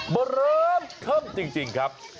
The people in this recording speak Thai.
เริ่มเทิมจริงครับ